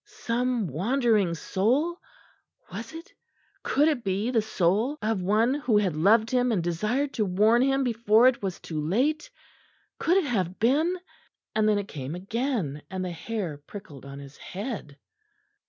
Some wandering soul? Was it, could it be the soul of one who had loved him and desired to warn him before it was too late? Could it have been and then it came again; and the hair prickled on his head.